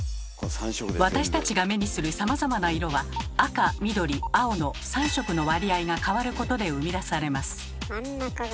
私たちが目にするさまざまな色は赤緑青の３色の割合が変わることで生み出されます。